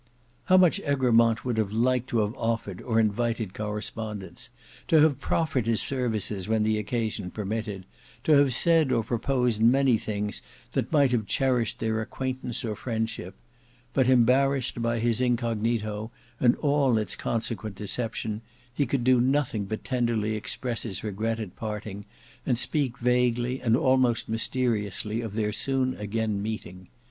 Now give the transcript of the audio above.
How much Egremont would have liked to have offered or invited correspondence; to have proffered his services when the occasion permitted; to have said or proposed many things that might have cherished their acquaintance or friendship; but embarrassed by his incognito and all its consequent deception, he could do nothing but tenderly express his regret at parting, and speak vaguely and almost mysteriously of their soon again meeting.